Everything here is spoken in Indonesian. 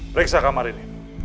periksa kamar ini